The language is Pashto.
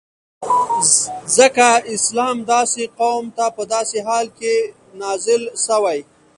ځکه اسلام داسی قوم ته په داسی حال کی نازل سوی